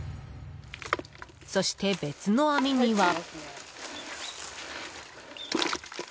そして別の網には。